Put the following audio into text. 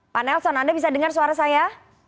pak nelson anda bisa dengar suara saya